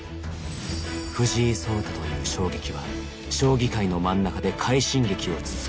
藤井聡太という衝撃は将棋界の真ん中で快進撃を続け